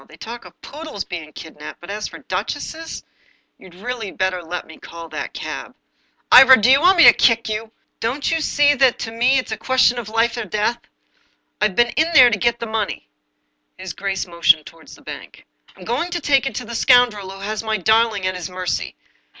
They talk of poodles being kid naped, but as for duchesses — You'd really better let me call that cab." " Ivor, do you want me to kick you ? Don't you see that to me it's a question of life and death ? I've been in there to get the money." His grace motioned toward the bank. " I'm going to take it to the scoundrel who has my darling at his mercy.